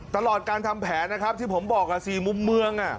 ตลอดการทำแผนนะครับที่ผมบอก๔มุมเมือง